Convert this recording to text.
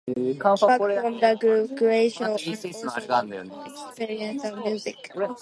Buck formed a group, Glacial, and also worked on experimental music.